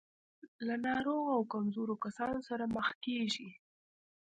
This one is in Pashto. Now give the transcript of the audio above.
له ناروغو او کمزورو کسانو سره مخ کېږي.